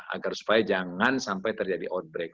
agar supaya jangan sampai terjadi outbreak